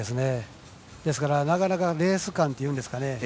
ですから、なかなかレース勘というか。